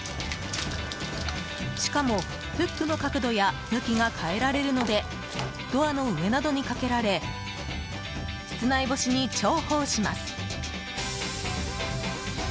しかもフックの角度や向きが変えられるのでドアの上などにかけられ室内干しに重宝します。